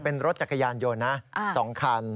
เป็นรถจักรยานยนต์นะ๒คัน